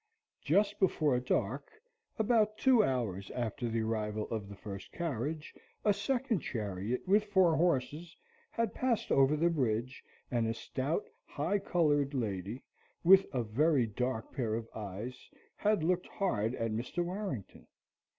Just before dark, about two hours after the arrival of the first carriage, a second chariot with four horses had passed over the bridge, and a stout, high coloured lady, with a very dark pair of eyes, had looked hard at Mr. Warrington.